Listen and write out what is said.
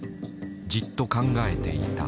じっと考えていた。